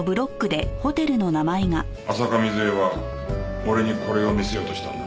浅香水絵は俺にこれを見せようとしたんだ。